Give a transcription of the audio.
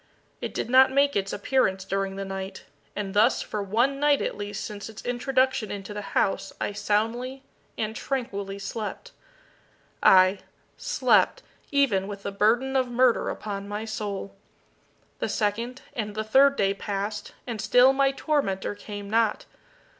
It did not make its appearance during the night and thus for one night at least since its introduction into the house I soundly and tranquilly slept, aye, slept even with the burden of murder upon my soul! The second and the third day passed, and still my tormentor came not.